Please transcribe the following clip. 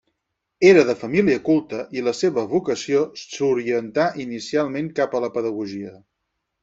Era de família culta i la seva vocació s'orientà inicialment cap a la pedagogia.